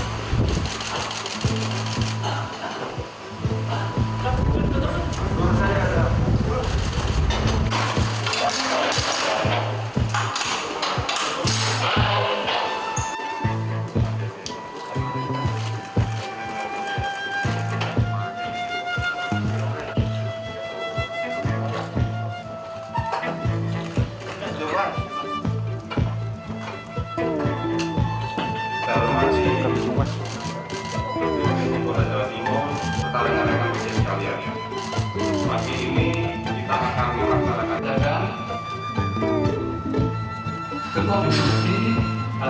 kisah kisah yang terjadi di indonesia